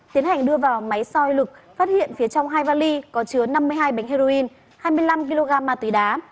tiến hành đưa vào máy soi lực phát hiện phía trong hai vali có chứa năm mươi hai bánh heroin hai mươi năm kg ma túy đá